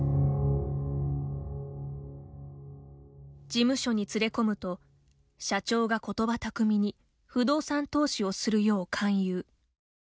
事務所に連れ込むと社長が、ことば巧みに不動産投資をするよう勧誘。